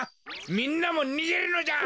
みんなもにげるのじゃ。